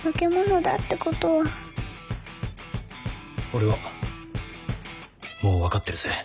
俺はもう分かってるぜ。